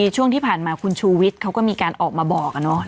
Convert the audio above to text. พอดีช่วงที่ผ่านมาคุณชูวิทย์เค้าก็มีการออกมาบอกอะเนอะ